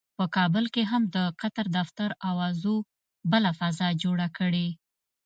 په کابل کې هم د قطر دفتر اوازو بله فضا جوړه کړې.